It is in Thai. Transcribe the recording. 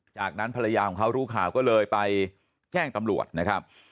จากนั้นภรรยาของเขารู้ข่าวก็เลยไปแจ้งตำรวจนะครับ